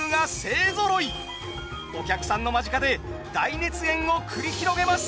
お客さんの間近で大熱演を繰り広げます。